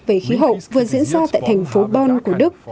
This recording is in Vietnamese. về khí hậu vừa diễn ra tại thành phố bon của đức